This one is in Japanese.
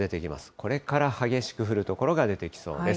これから激しく降る所が出てきそうです。